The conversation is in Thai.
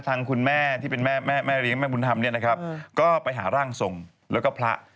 ทางคุณแม่ที่เป็นแม่แม่เลี้ยงแม่บุญธรรมเนี่ยนะครับก็ไปหาร่างทรงแล้วก็พระ